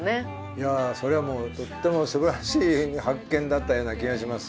いやそれはもうとってもすばらしい発見だったような気がします。